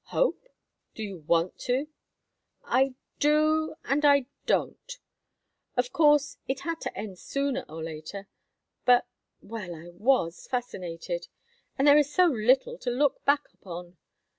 "Hope? Do you want to?" "I do and I don't. Of course, it had to end sooner or later, but—well—I was fascinated! And there is so little to look back upon!